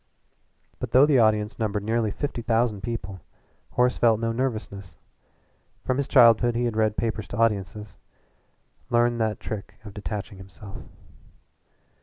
But though the audience numbered nearly five thousand people, Horace felt no nervousness. From his childhood he had read papers to audiences learned that trick of detaching himself.